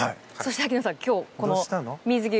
萩野さん、この水着。